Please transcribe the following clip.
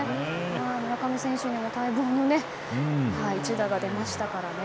村上選手にも待望の一打が出ましたからね。